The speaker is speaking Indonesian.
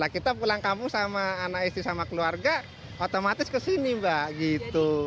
kita pulang kampung sama anak istri sama keluarga otomatis kesini mbak gitu